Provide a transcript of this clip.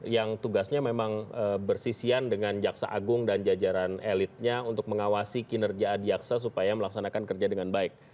yang tugasnya memang bersisian dengan jaksa agung dan jajaran elitnya untuk mengawasi kinerja adiaksa supaya melaksanakan kerja dengan baik